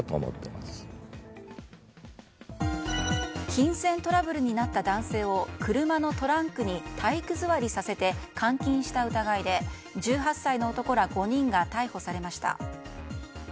金銭トラブルになった男性を車のトランクに体育座りさせて監禁した疑いで、１８歳の男ら５人が逮捕されました。